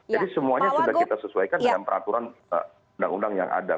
jadi semuanya sudah kita sesuaikan dengan peraturan undang undang yang ada